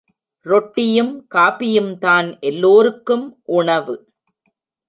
ரொட்டியும், காபியும்தான் எல்லோருக்கும் உணவு.